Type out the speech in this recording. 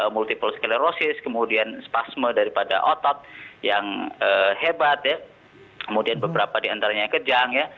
multiple sclerosis kemudian spasme daripada otot yang hebat kemudian beberapa diantaranya kejang